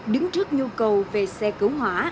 đứng trước nhu cầu về xe cứu hỏa